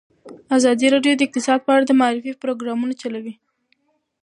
ازادي راډیو د اقتصاد په اړه د معارفې پروګرامونه چلولي.